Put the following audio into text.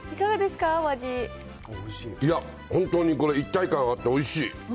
いや、本当にこれ、一体感あって、おいしい。